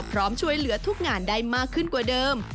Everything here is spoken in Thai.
พร้อมช่วยเหลือทุกงานได้มากขึ้นกว่าเดิม